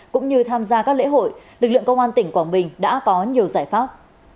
cũng như tham gia các lễ hội lực lượng công an tỉnh quảng bình đã có nhiều giải pháp